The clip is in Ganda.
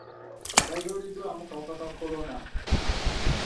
Tazuuliddwamu kawuka ka Kolona.